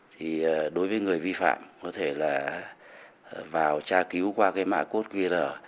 thì đối với người vi phạm có thể vào tra cứu qua mã code qr